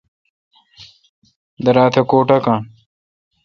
درا تہ کو ٹاکان۔